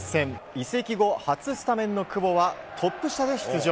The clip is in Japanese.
移籍後初スタメンの久保はトップ下で出場。